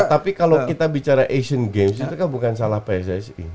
tapi kalau kita bicara asian games itu kan bukan salah pssi